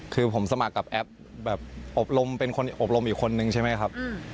คือผมสมัครกับแอปแบบอบรมเป็นคนอบรมอีกคนนึงใช่ไหมครับ